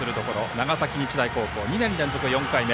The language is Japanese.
長崎日大高校、２年連続４回目。